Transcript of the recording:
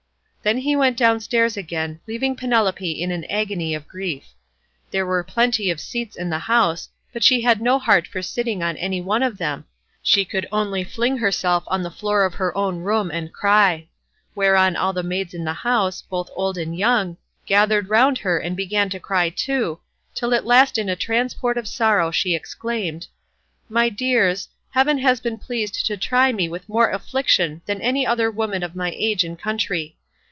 Then he went downstairs again, leaving Penelope in an agony of grief. There were plenty of seats in the house, but she had no heart for sitting on any one of them; she could only fling herself on the floor of her own room and cry; whereon all the maids in the house, both old and young, gathered round her and began to cry too, till at last in a transport of sorrow she exclaimed, "My dears, heaven has been pleased to try me with more affliction than any other woman of my age and country.